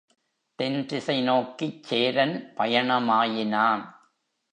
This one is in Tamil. தென்திசை நோக்கிச் சேரன் பயணமா யினான்.